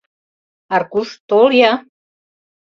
— Аркуш, тол-я!